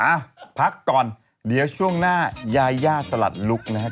อ่ะพักก่อนเดี๋ยวช่วงหน้ายาย่าสลัดลุกนะฮะ